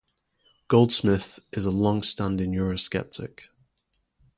Goldsmith is a long-standing Eurosceptic.